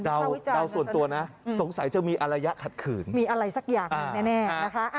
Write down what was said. เดาวิจารณ์เหมือนสักหนึ่งนะครับอืมมีอะไรสักอย่างแน่นะคะอ่า